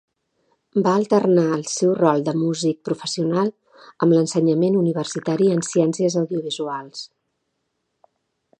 Va alternar el seu rol de músic professional amb l'ensenyament universitari en ciències audiovisuals.